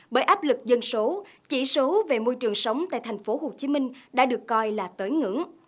bởi áp lực dân số chỉ số về môi trường sống tại tp hcm đã được coi là tới ngưỡng